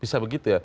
bisa begitu ya